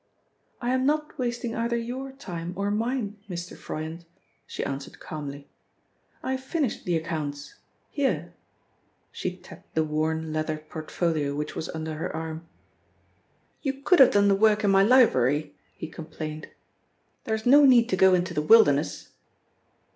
"I am not wasting either your time or mine, Mr. Froyant," she answered calmly. "I have finished the accounts here!" She tapped the worn leather portfolio which was under her arm. "You could have done the work in my library," he complained; "there is no need to go into the wilderness."